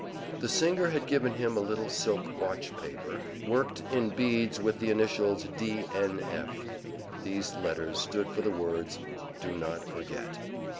The singer had given him a little silk watch paper worked in beads with the initials D. N. F. These letters stood for the words, "Do Not Forget."